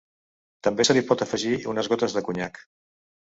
També se li pot afegir unes gotes de conyac.